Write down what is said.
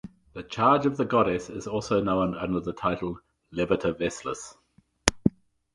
The Charge of the Goddess is also known under the title "Leviter Veslis".